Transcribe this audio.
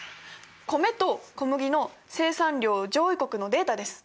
米と小麦の生産量上位国のデータです。